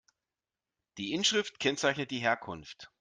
Die Inschrift kennzeichnet die Herkunft.